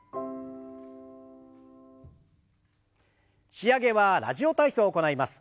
仕上げは「ラジオ体操」を行います。